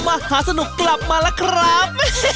มหาสนุกกลับมาแล้วครับ